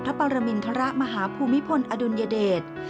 ปรมินทรมาฮภูมิพลอดุลยเดช